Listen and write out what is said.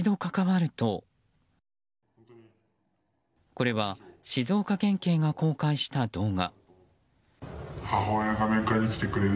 これは静岡県警が公開した動画。